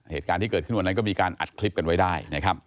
เหตุการณ์ที่เกิดขึ้นวันนั้นก็มีการอัดคลิปกันไว้ได้นะครับ